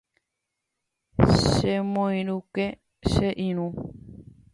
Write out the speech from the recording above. Chemoirũke che irũ